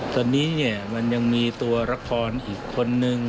ตอนนี้เนี่ยมันยังมีตัวละครอีกคนนึง